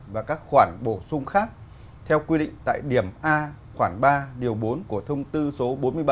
và các khoản bổ sung khác theo quy định tại điểm a khoảng ba điều bốn của thông tư số bốn mươi bảy